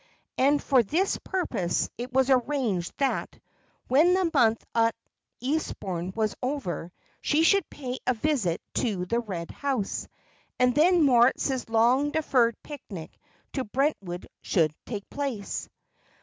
And for this purpose it was arranged that, when the month at Eastbourne was over, she should pay a visit to the Red House; and then Moritz's long deferred picnic to Brentwood should take place.